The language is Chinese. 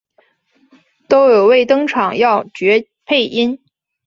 都有为登场要角配音。